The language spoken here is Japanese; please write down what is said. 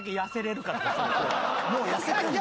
もう痩せてんねん。